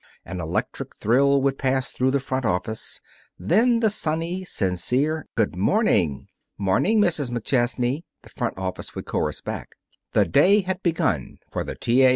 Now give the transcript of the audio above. An electric thrill would pass through the front office. Then the sunny, sincere, "Good morning!" "'Morning, Mrs. McChesney!" the front office would chorus back. The day had begun for the T. A.